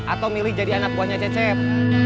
atau milih jadi anak buahnya cecep